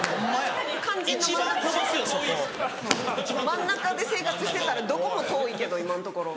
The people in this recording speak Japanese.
真ん中で生活してたらどこも遠いけど今のところ。